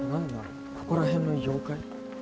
ここら辺の妖怪？